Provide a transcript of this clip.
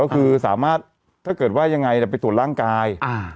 คือสามารถว่ายังไงอย่างนี้ไปตรวจร่างกาย